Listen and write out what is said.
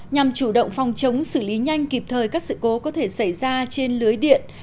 nhằm chủ động phòng chống xử lý nhanh kịp thời các sự cố có thể xảy ra trên lưới điện